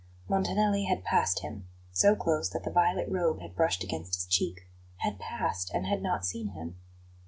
Montanelli had passed him, so close that the violet robe had brushed against his cheek, had passed and had not seen him.